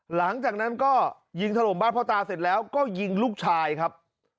หลังจากนั้นก็ยิงถล่มบ้านพ่อตาเสร็จแล้วก็ยิงลูกชายครับ